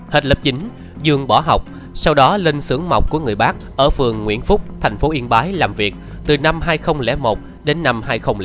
hết lớp chín dương bỏ học sau đó lên sưởng mọc của người bác ở phường nguyễn phúc thành phố yên bái làm việc từ năm hai nghìn một đến năm hai nghìn bốn